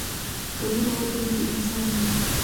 که وینه ودریږي انسان مري.